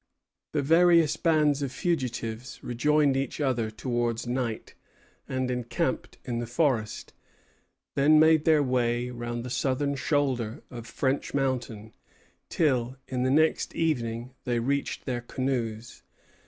The various bands of fugitives rejoined each other towards night, and encamped in the forest; then made their way round the southern shoulder of French Mountain, till, in the next evening, they reached their canoes.